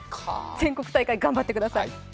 全国大会、頑張ってください。